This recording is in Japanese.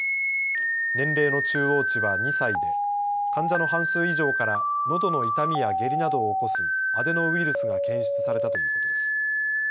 年齢の中央値は２歳で患者の半数以上からのどの痛みや下痢などを起こすアデノウイルスが検出されたということです。